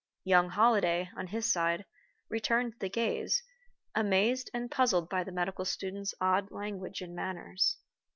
Young Holliday, on his side, returned the gaze, amazed and puzzled by the medical student's odd language and manners.